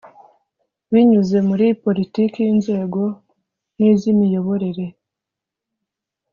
binyuze muri politiki y inzego n iz imiyoborere